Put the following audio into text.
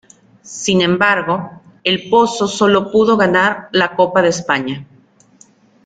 Sin embargo, ElPozo sólo pudo ganar la Copa de España.